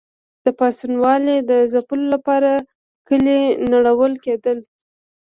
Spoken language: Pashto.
د پاڅونوالو د ځپلو لپاره کلي نړول کېدل.